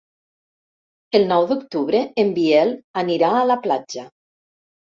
El nou d'octubre en Biel anirà a la platja.